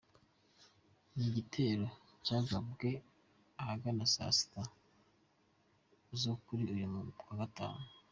Ni igitero cyagabwe ahagana saa sita zo kuri uyu wa gatanu.